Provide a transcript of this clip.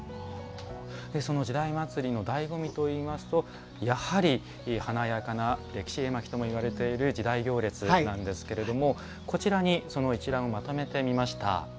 その「時代祭」のだいご味といいますとやはり華やかな歴史絵巻ともいわれている時代行列ですが一覧をまとめてみました。